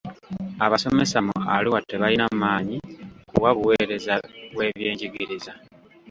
Abasomesa mu Arua tebalina maanyi kuwa buweereza bw'ebyenjigiriza.